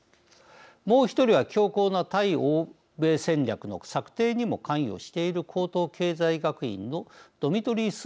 もう一人は強硬な対欧米戦略の策定にも関与している高等経済学院のドミトリー・スースロフ教授です。